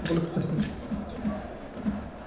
সমুদয় ভারতেই শ্রীচৈতন্যের প্রভাব লক্ষিত হয়।